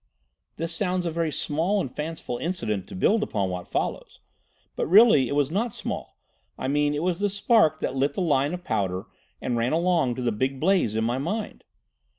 "This sounds a very small and fanciful incident to build upon what follows. But really it was not small. I mean it was the spark that lit the line of powder and ran along to the big blaze in my mind.